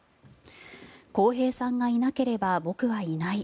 航平さんがいなければ僕はいない。